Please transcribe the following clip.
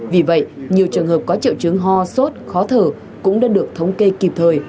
vì vậy nhiều trường hợp có triệu chứng ho sốt khó thở cũng đã được thống kê kịp thời